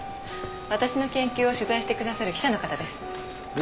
私の研究を取材してくださる記者の方です。